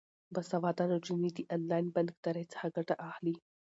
باسواده نجونې د انلاین بانکدارۍ څخه ګټه اخلي.